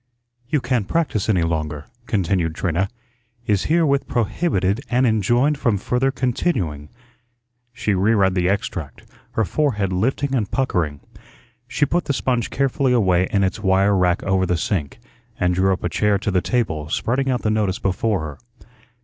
"You can't practise any longer," continued Trina, "'is herewith prohibited and enjoined from further continuing '" She re read the extract, her forehead lifting and puckering. She put the sponge carefully away in its wire rack over the sink, and drew up a chair to the table, spreading out the notice before her.